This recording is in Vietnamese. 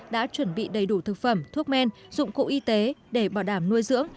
đã chuẩn bị đầy đủ thực phẩm thuốc men dụng cụ y tế để bảo đảm nuôi dưỡng